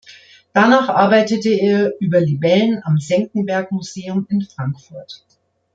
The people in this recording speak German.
Danach arbeitete er über Libellen am Senckenberg-Museum in Frankfurt.